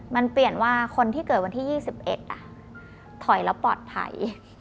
มันเปลี่ยนว่าคนที่เกิดวันที่๒๑ถอยแล้วปลอดภัย